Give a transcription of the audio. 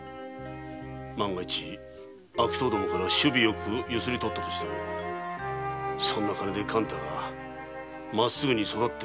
万が一悪党どもから首尾よくゆすり取ったとしてもそんな金で勘太がまっすぐに育ってくれるかな？